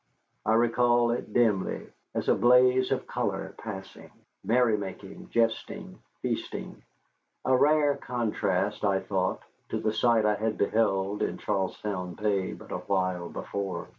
I recall it dimly, as a blaze of color passing: merrymaking, jesting, feasting, a rare contrast, I thought, to the sight I had beheld in Charlestown Bay but a while before.